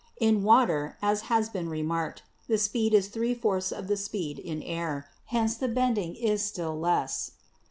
In water, as has been remarked, the speed is three fourths of the speed in air, hence the bending is still less.